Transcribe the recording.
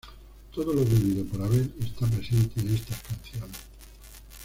Todo lo vivido por Abel está presente en estas canciones.